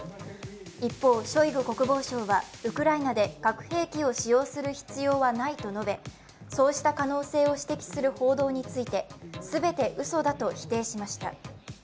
一方、ショイグ国防相はウクライナで核兵器を使用する必要はないと述べ、そうした可能性を指摘する報道について全てうそだと否定しました。